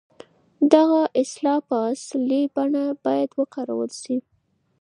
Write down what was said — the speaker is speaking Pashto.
دغه اصطلاح په اصلي بڼه بايد وکارول شي.